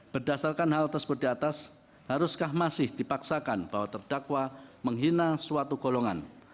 berdasarkan hal tersebut di atas haruskah masih dipaksakan bahwa terdakwa menghina suatu golongan